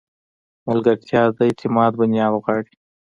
ملګرتیا د اعتماد بنیاد غواړي.